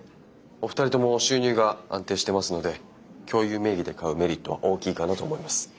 お二人とも収入が安定してますので共有名義で買うメリットは大きいかなと思います。